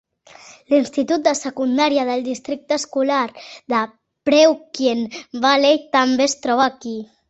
L'institut de secundària del districte escolar de Perkiomen Valley també es troba aquí.